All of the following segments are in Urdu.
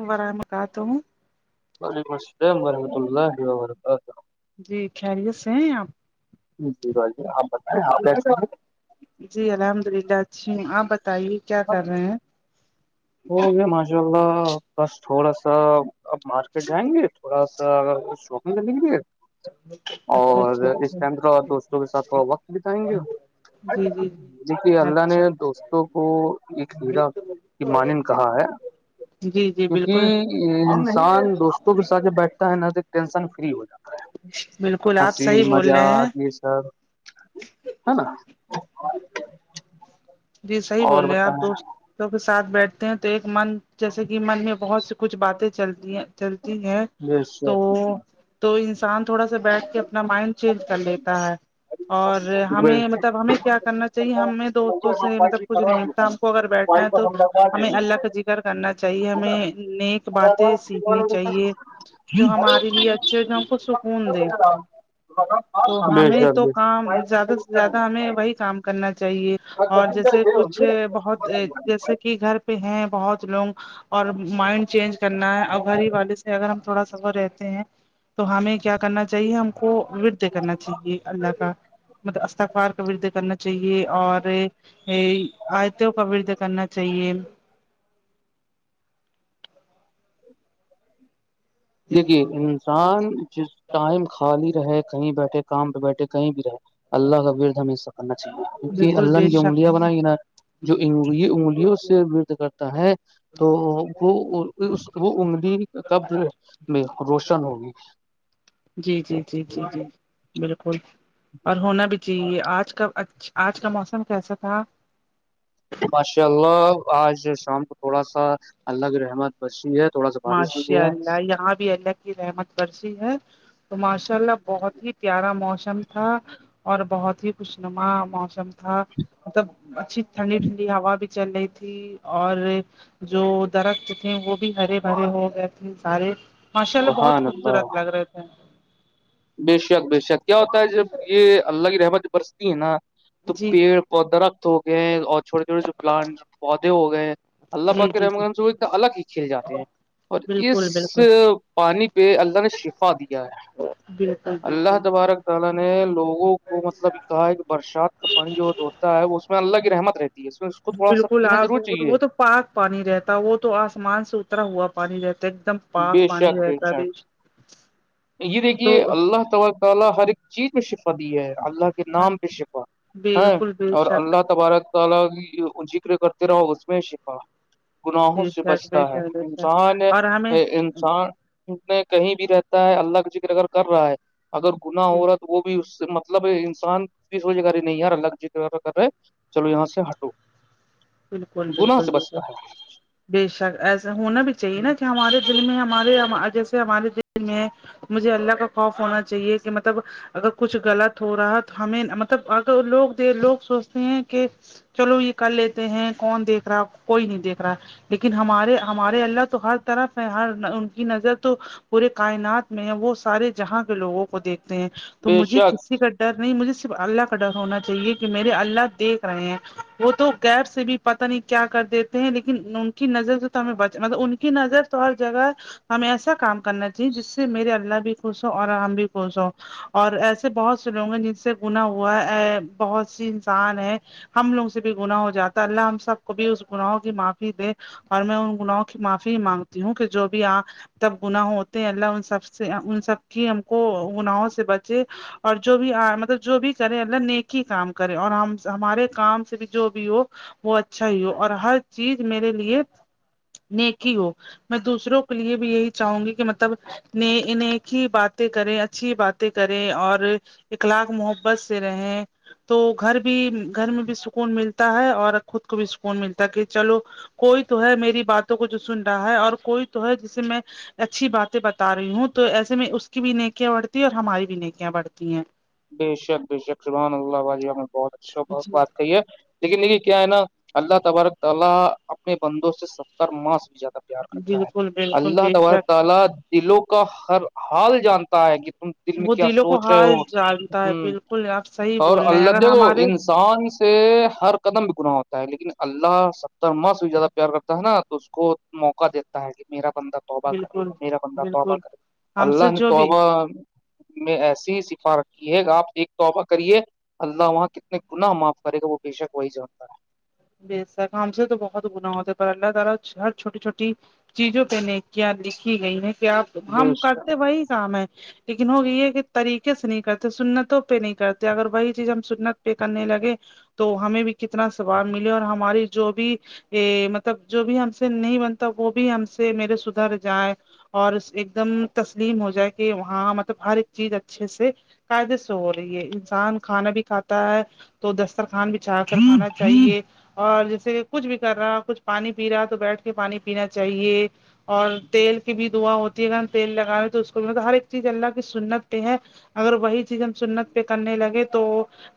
وورحمکاتہوں وعلیکم السلام ورحمۃ اللہ وبرکاتہ جی خیریت سے ہیں آپ ج جیپ ب جی الحمد للہ اچھی ہوں آپ بتائیے کیا کر رہے ہیں ہو گیا ماشاء اللہ بس تھوڑا سا اب مارکیٹ جائیں گے [unintelligible] تھوڑا سا شوپنگ سے لک اچھا اور اچھا اس اچھا ٹائم تھوڑا دوستوں کے ساتھ تھوڑا وقت بتائیں گے جی جی جی دیکھے اللہ نے اچھا دوستوں کو ایک ہیرا مانن کہاں ہے جی جی کیونکہ بالکل یہ انسان دوستوں کے ساتھ بیٹھتا ہے ن تو ٹینشن فری ہو جاتا بالکل ہے آپ ہسی صحیح بول مزا رہے ہیں یہ سب ہے نا جی صحیح اور بول رہے ہیں آپ دوست دوستوں کے ساتھ بیٹھتے ہیں تو ایک من جیسے کہ من میں بہت سی کچھ باتیں چلتی ہیں چلتی ہیں تو بتائیں تو انسان تھوڑا سا بیٹھ کے اپنا مائنڈ چینج کر لیتا ہے اور ہمیں مطلب ہمیں کیا کرنا چاہیے ہمیں دو تو سے مطلب کچھ نہیں ملتا ہم کو اگر بیٹھنا ہے تو ہمیں اللہ کا کر کرنا چاہیے ہمیں نیک باتیں سیکھنی چاہیے جو بے ہمارے شک لیے اچھے جو ہم کو سکون دینتا تو بے ہمیں شک تو کام پائپ ہم زیادہ صحیح سے کر زیادہ دیں پائپ ہمیں وہی اور کام کرنا چاہیے اور کبھی جیسے کا کچھ یہ بہت ہوتے جیسے ہیں کہ گھر پہ ہیں بہت لوگ اور مائنڈ چینج کرنا ہے اور گھر ہی والے سے اگر ہم تھوڑا سفر رہتے ہیں تو ہمیں کیا کرنا چاہیے ہم کو ورد کرنا چاہیے اللہ کا مطلب استگفار کا ورد کرنا چاہیے اور یہ آیتوں کا وھ کرنا چاہیے دیکھیے انسان جس ٹائم خالی رہے کہیں بیٹھے کام پہ بیٹھے کہیں بھی رہے اللہ کا رد ہمیںب کرنا چاہیے کیکہ بالکل اللہ بے نے جو شک انگلیاں بنائی ہے نا جو انگ انگلیوں سے رت کرتا ہے تو وہ وہ انگلی قب میں روشن ہوگی جی جی جی جی جی بالکل اور ہونا بھی چاہیے آج کا آج کا موسم کیسا تھا ماشاء اللہ آج شام کو تھوڑا سا اللہ کے رحمت بچ ہے تھوڑا بارش ہوئی ماشاء ہے اللہ یہاں بھی اللہ کی رحمت برسی ہے تو ماشاء اللہ بہت ہی پیارا موسم تھا اور بہت ہی خوش نما موسم تھا مطلب اچھی ٹھنڈی ٹھنڈی ہوا بھی چل رہی تھی اور جو درخت تھے وہ بھی ہرے بڑے ہو گئے تھے سارے ماشاء اللہ بہت سبحان اللہ خوبصورت لگ رہے تھے بے شک بے شک کیا ہوتا ہے جب یہ اللہ کی رحمت جب برستی ہے نا تو جی پیڑ پ دا رخت ہو گئے ہیں اور چھوٹے چھٹے جو پلانٹ پودے ہو گئے ہیں اللہ جی پاک جی رحم جی الگ ہی کھیلاتے ہیں اور اس بالکل بالکل پانی پہ اللہ نے شفا دیا ہے جی اللہ تبارک و تعالی نے لوگوں کو مطلب اور جو دوتا ہے وہ اس میں اللہ کی رحمت رہتی ہے اس میں اس کو تھوڑا سا بالکل پینا آپ ضرور چاہیے وہ تو پاک پانی رہتا ہے وہ تو آسمان سے اترا ہوا پانی رہتا ہے ایک دم بے پاک شک پانی بے رہتا شک بیش یہ دیکھیے تو اللہ تبار لہ ہر ایک چیز میں شکفت دی ہے اللہ کے ہاں نام بھیہ شفا ہے بالکل بے اور شک اللہ تبارک کال ذکر کرتے رہو اس میں سھا گناہوں بے سے شک بے بچتا ہے شک بے شک انسان اور ہمیں انسان میں کہیں بھی رہتا ہے اللہ جکر اگر کر رہا ہے اگر گنااہ ہو رہا ہے تو وہ بھی اس سے مطلب مطلب انسان فسو جائے گای نہیں یار الگ ج رہے چلو یہاں سے ہٹو بالکل گناہ بالکل سے بالکل بچتا ہے بے شک ایسا ہونا بھی چاہیے نا کہ ہمارے دل میں ہمارے جیسے ہمارے دل میں مجھے اللہ کا خوف ہونا چاہیے کہ مطلب اگر کچھ غلط ہو رہا تو ہمیں مطلب اگر لوگ لوگ سوچتے ہیں کہ چلو یہ کر لیتے ہیں کون دیکھ رہا کوئی نہیں دیکھ رہا لیکن ہمارے ہمارے اللہ تو ہر طرف ہے ہر ان کی نظر تو پورے کائنات میں ہے وہ سارے جہاں کے لوگوں کو دیکھتے ہیں تو بے مجھے شک کسی کا ڈر نہیں مجھے صرف اللہ کا ڈر ہونا چاہیے کہ میرے اللہ دیکھ رہے ہیں وہ تو غیب سے بھی پتا نہیں کیا کر دیتے ہیں لیکن ان کی نظر سے تو ہمیں بچ مطلب ان کی نظر تو ہر جگہ ہمیں ایسا کام کرنا چاہیے جس سے میرے اللہ بھی خوش ہو اور ہم بھی خوش ہو اور ایسے بہت سے لوگ ہیں جن سے گنا ہوا ہے بہت سی انسان ہے ہم لوگ سے بھی گناہ ہو جاتا ہے اللہ ہم سب کو بھی اس گناہ کی معافی دے اور میں ان گناہوں کی معافی ہی مانگتی ہوں کہ جو بھی آپ تب گناہ ہوتے ہیں اللہ ان سب سے ان سب کی ہم کو گناہوں سے بچے اور جو بھی مطلب جو بھی کریں اللہ نیکی کام کرے اور ہم ہمارے کام سے بھی جو بھی ہو وہ اچھا ہی ہو اور ہر چیز میرے لیے نیکی ہو میں دوسروں کے لیے بھی یہی چاہوں گی کہ مطلب انیک ہی باتیں کریں اچھی باتیں کریں اور اخلاق محبت سے رہیں تو گھر بھی گھر میں بھی سکون ملتا ہے اور خود کو بھی سکون ملتا ہے کہ چلو کوئی تو ہے میری باتوں کو جو سن رہا ہے اور کوئی تو ہے جسے میں اچھی باتیں بتا رہی ہوں تو ایسے میں اس کی بھی نیکیاں بڑھتی اور ہماری بھی نیکیاں بڑھتی ہیں بے شک بے شک سبحان اللہ بھجی بہت اچھا بہت جی بات کہیے لیکن دیکھیے کیا ہے نا اللہ تبارک تعالی اپنے بندوں سے ستر ماؤں بھی زیادہ ار کرتا ہے بالکل بالکل اللہ بے تبارک شک تعالی دلوں کا ہر حال جانتا ہے کہ تم دل میں وہ کیا دلوں کو سوچ رہے حال ہو جانتا ہے ہ بالکل آپ صحیح اور بول رہے ہیں اللہ اگر دیکھو ہمارے ان انسان سے ہر قدم بھی گنااہ ہوتا ہے لیکن اللہ ستر ماہ سے بھی زیادہ پیار کرتا ہے نا تو اس کو موقع دیتا ہے کہ میرا بندہ [unintelligible] تو بہ بالکل کریگا میرا بندہ توبہ بالکل کرے ہم اللہ سے نے جو بھی توبہ میں ایسی ہی سفار یہ آپ ایک توبہ کریے اللہ وہاں کتنے گنا معاف کرے گا وہ بے شک وہی جانتا ہے بے شک ہم سے تو بہت گنااہ ہوتے پر اللہ تعالی ہر چھوٹی چھوٹی چیزوں پہ نہیں کیا لکھی گئی ہیں کہ آ ہے ہم بے کرتے وہی کام ہے لیکن ہوگی یہ ہے کہ طریقے سے نہیں کرتے سنتوں پہ نہیں کرتے اگر وہی چیز ہم سنت پہ کرنے لگے تو ہمیں بھی کتنا ثواب ملے اور ہماری جو بھی یہ مطلب جو بھی ہم سے نہیں بنتا وہ بھی ہم سے میرے سدھر جائے اور ایک دم تسلیم ہو جائے کہ وہاں مطلب ہر ایک چیز اچھے سے قاعدے سے ہو رہی ہے انسان کھانا بھی کھاتا ہے تو دسترخوان بچھا کر کھانا چاہیے [unintelligible] اور جیسے کہ کچھ بھی کر رہا کچھ پانی پی رہا تو بیٹھ کے پانی پینا چاہیے اور تیل کی بھی دعا ہوتی ہے اگر ہم تیل لگاوے تو اس کو م ہر ایک چیز اللہ کی سنت ہیں اگر وہی چیز ہم سنت پہ کرنے لگے تو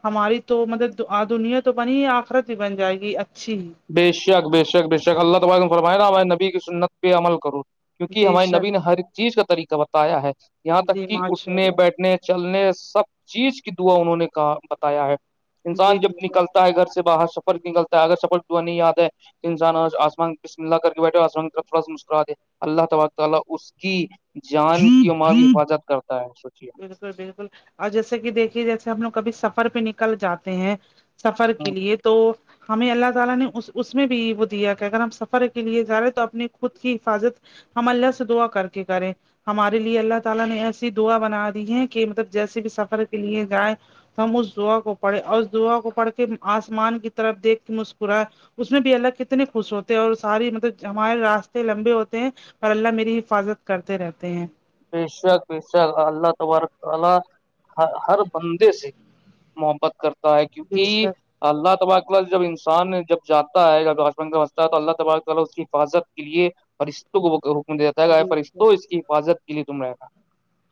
ہماری تو مطلب دنیا تو بنی آخرت بھی بن جائے گی اچھی بے شک بے شک بے شک اللہ تبارک و تعالی نے فرمائے نا میرے نبی کی سنت پہ عمل کروں کیونکہ بے ہمارے نبی شک نے ہر چیز کا طریقہ بتایا ہے یہاں تک جی کہ ماشاء اٹھنے اللہ بیٹھنے چلنے سب چیز کی دعا انہوں نے بتایا ہے انسان جب نکلتا ہے گھر سے باہر سفر نکلتا ہے اگر سفر دعا نہیں یاد ہے انسان آسمان پے ملا کر کے بیٹھے آسمان کی طرف تھوڑا مسکراہے اللہ تالی تعالی اس کی جان جی کی مال کی بھی بالکل حفاظت کرتا ہے سچی بالکل بالکل اور جیسے کہ دیکھیے جیسے ہم لوگ کبھی سفر پہ نکل جاتے ہیں سفر کے لیے تو [unintelligible] ہمیں اللہ تعالی نے اس اس میں بھی یہ وہ دیا کہ اگر ہم سفر کے لیے جا رہے ہیں تو اپنی خود کی حفاظت ہم اللہ سے دعا کر کے کریں ہمارے لیے اللہ تعالی نے ایسی دعا بنا دی ہے کہ مطلب جیسے بھی سفر کے لیے جائیں ہم اس دا کو پڑے اور دعا کو پڑھ کے آسمان کی طرف دیکھ کے مسکرا اس میں بھی اللہ کتنے خوش ہوتے ہیں اور ساری مطلب ہمارے راستے لمبے ہوتے ہیں اور اللہ میری حفاظت کرتے رہتے ہیں بشک بشک اللہ تبارک تعالی ہر بندے سے محبت کرتا ہے بے کیونکہ شک اللہ تباراکلہ جب انسان جب جاتا ہے جب آچنمجتا ہے تو اللہ تباراک اس کی حفاظت کے لیے پرش کو حکم دیتا ہے گا بے پر شک تو اس کی حفاظت کے لیے تم رہے گا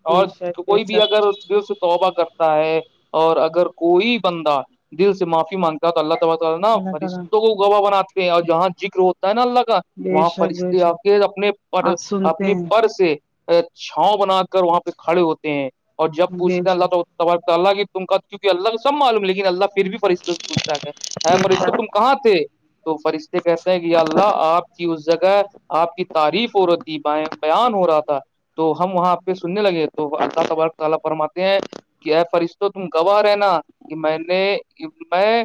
بے اور شک بے کوئی بھی شک اگر دل سے توبہ کرتا ہے اور اگر کوئی بندہ دل سے معافی مانگتا تو اللہ تعالیا اللہ تعالی فرشتوں کو گواہ بناتے ہیں اور جہاں ذکر ہوتا ہے نا اللہ کا بے وہاں شک بے فرشتے آ شک کے اپنے پر آج سنتے اپنے ہیں پر سے چھاؤں بنا کر وہاں پہ کھڑے ہوتے ہیں اور جب بے پوچھتے ہیں اللہ شک تو اللہ کہ تم کا کیونکہ اللہ کو سب معلوم لیکن اللہ پھر بھی فشوں سے پوچتا ہے ہے بے پرشستہ شک تم کہاں تھے تو فرشتے کہتے ہیں کہ اللہ آپ اس جگہ آپ کی تعریف اورتی بیان ہو رہا تھا تو ہم وہاں پہ سننے لگے تو اللہ تبارک تعالا فرماتے ہیں کہ ہے فرش تو تم گواہ رہ نا کہ میں نے میں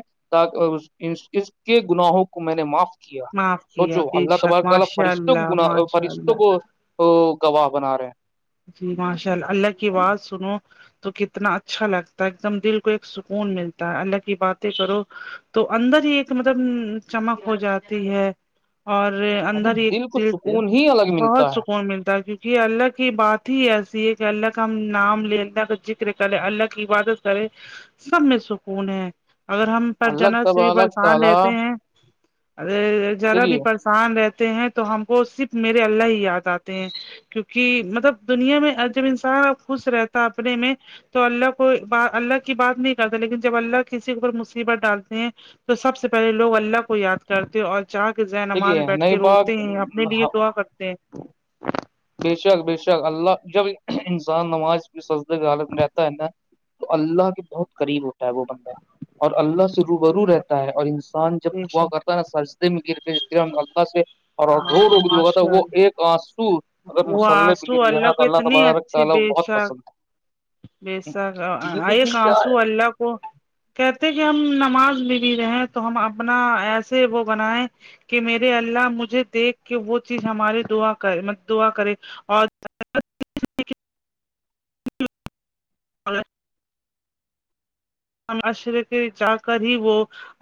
اس کے گناہوں کو میں نے معاف کیا معاف کیا سوچو بے اللہ شک تبارک تعالا ماشاء فرشتوں کو اللہ گنا ماشاء فرشتوں اللہ کو وہ گواہ بنا رہے ہیں جی ماشاء اللہ اللہ کی آواز سنو تو کتنا اچھا لگتا ہے ایک دم دل کو ایک سکون ملتا ہے اللہ کی باتیں کرو تو اندر ہی ایک مطلب چمک ہو جاتی ہے اور ارے اندر ہی ایک کو دل سے سکون ہی الگ بہت ملتا ہے سکون ملتا ہے کیونکہ اللہ کی بات ہی ایسی ہے کہ اللہ کا ہم نام لے اللہ کا ذکر کرے اللہ کی عبادت کرے سب میں سکون ہے اگر ہم پر الگ جن تب سے بھی الگ پرسان تعالی رہتے ہیں ا جذرا بھی دیکھیے پر ان رہتے ہیں تو ہم کو صرف میرے اللہ ہی یاد آتے ہیں کیونکہ کہ مطلب دنیا میں جب انسان ا خوش رہتا اپنے میں تو اللہ کو اللہ کی بات نہیں کرتا لیکن جب اللہ کسی اوپر مصیبت ڈالتے ہیں تو سب سے پہلے لوگ اللہ کو یاد کرتے اور چا کے ذ نماز دیکھیے بیٹھ نئی کے بات روتے ہیں اپنے لیے دعا کرتے ہیں بےشک بےشک اللہ جب انسان نماز کی سجدے کی حالت میں رہتا ہے نا تو اللہ کے بہت قریب ہوتا ہے وہ بندہ اور اللہ سے روبرو ہیں رہتا ہے اور انسان جب بے دا شک کرتا ہے نا سرجدے میں گر کے اللہ سے اور رو ہاں رک دوا تھا ماشاء وہ اللہ ایک تو آنسو اگر وہ مسل آنسو بکاں تو کو اللہ اتنی تبارک تعالا بہت پسند ہے بیسک آ یہ دیکھیے کیا آنسو ہے اللہ کو کہتے کہ ہم نماز بھی بھی رہے تو ہم اپنا ایسے وہ بنیں کہ میرے اللہ مجھے دیکھ کے وہ چیز ہماراری دعا کر دعا کرے اور ہاں ہم عشر کے جا کر ہی وہ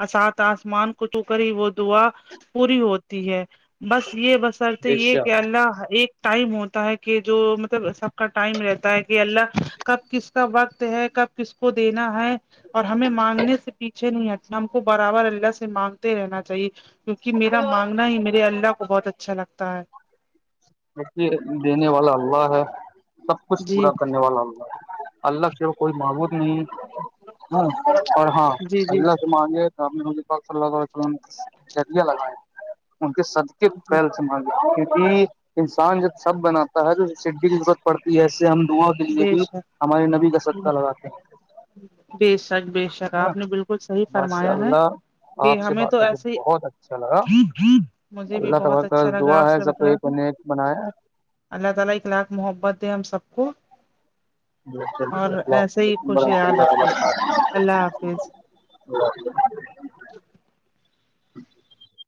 اسات آسمان کو تو کر ہی وہ دعا پوری ہوتی ہے بس یہ بصرط بے یہ کہ شک اللہ ایک ٹائم ہوتا ہے کہ جو مطلب سب کا ٹائم رہتا ہے کہ اللہ کب کس کا وقت ہے کب کس کو دینا ہے اور ہمیں مانگنے سے پیچھے نہیں ہٹنا ہم کو برابر اللہ سے مانگتے رہنا چاہیے کیوںکہ میرا مانگنا ہی میرے اللہ کو بہت اچھا لگتا ہے ے دینے والا اللہ ہے سب کچھ جی پورا کرنے والا اللہ اللہ اس کوئی معبوود نہیں ہ اور ہاں جی جی اللہ مانگے نے ان صلہیہ وس جرییا لگائے ان کے سدکے جی پہل کیونکہ انسان جب سب بناتا ہے تو سی کی ضرورت پڑتی ہے ہم داں کے لیے بے بھی شک ہمارے نبی کا سدکہ لگاتے ہیں بے شک بے شک ہے نا آپ نے بالکل صحیح ماشاء فرمایا ہے اللہ کہ آپ سے ہمیں بات تو کر کے ایسے بہت اچھا لگا ہی مجھے بھی اللہ بہت تبارک اچھا لگا دعا آپ ہے سے سب کو کے نے ایک بنایا اللہ تعالی اخلاق محبت دے ہم سب کو للو اور السلام ایسے ہی علیکم ورحمۃ خوشحال اللہ رکھے وبرکاتہ اللہ حافظ ا